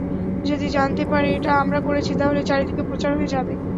যদি জানতে পারে এটা আমরা করেছি তাহলে চারিদিকে প্রচার হয়ে যাবে।